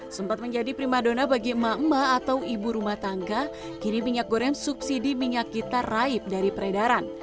sempat menjadi prima dona bagi emak emak atau ibu rumah tangga kini minyak goreng subsidi minyak kita raib dari peredaran